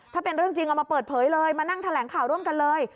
ถ้าเป็นเรื่องจริงเอามาเปิดเผยเลยมานั่งแถลงข่าวร่วมกันเลย